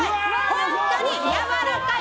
本当にやわらかい！